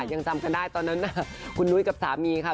ยังจำกันได้ตอนนั้นคุณนุ้ยกับสามีค่ะ